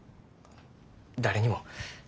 誰にも。